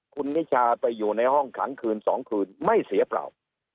คุณนิชาไปอยู่ในห้องขังคืน๒คืนไม่เสียเปล่า